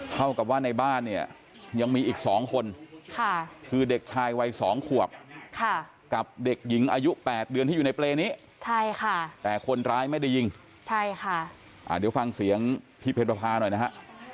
เท่ากับว่าในบ้านเนี่ยยังมีอีก๒คนคือเด็กชายวัย๒ขวบกับเด็กหญิงอายุ๘เดือนที่อยู่ในเปรย์นี้ใช่ค่ะแต่คนร้ายไม่ได้ยิงใช่ค่ะเดี๋ยวฟังเสียงพี่เพ็ญประพาหน่อยนะฮะ